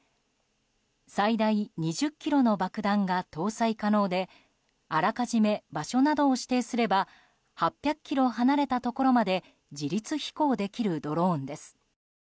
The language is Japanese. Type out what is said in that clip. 最大２０ｋｇの爆弾が搭載可能であらかじめ場所などを指定すれば８００ｋｍ離れたところまで自律飛行できるドローンです。